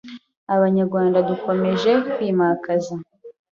Abanyarwanda dukomeje kwimakaza